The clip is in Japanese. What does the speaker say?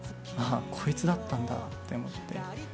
ああ、こいつだったんだと思って。